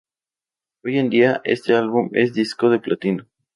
Hoy en día, este álbum es disco de platino.